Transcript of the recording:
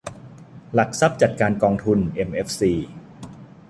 หลักทรัพย์จัดการกองทุน เอ็มเอฟซี